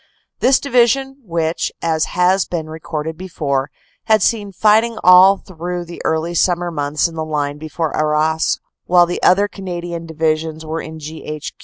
This Divi sion, which, as has been recorded before, had seen fighting all through the early summer months in the line before Arras while the other Canadian Divisions were in G.H.